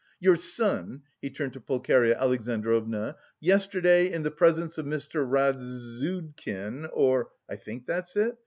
Your son," he turned to Pulcheria Alexandrovna, "yesterday in the presence of Mr. Razsudkin (or... I think that's it?